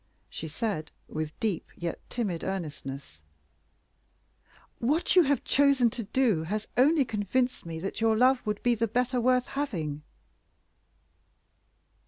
She said, with deep yet timid earnestness "What you have chosen to do has only convinced me that your love would be the better worth having."